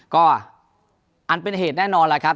ก็อันเป็นเหตุแน่นอนแหละครับ